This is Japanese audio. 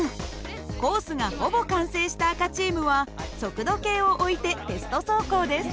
コースがほぼ完成した赤チームは速度計を置いてテスト走行です。